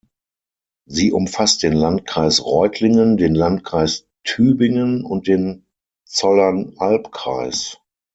Sie umfasst den Landkreis Reutlingen, den Landkreis Tübingen und den Zollernalbkreis.